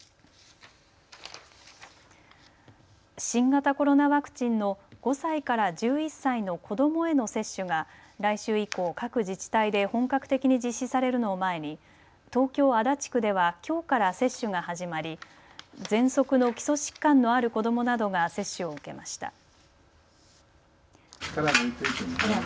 新型コロナワクチンの５歳から１１歳の子どもへの接種が来週以降、各自治体で本格的に実施されるのを前に東京足立区ではきょうから接種が始まり、ぜんそくの基礎疾患のある子どもなどが接種を受けました。